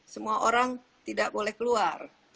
semua orang tidak boleh keluar